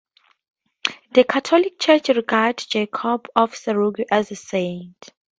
The Catholic Church regards Jacob of Serugh as a Saint.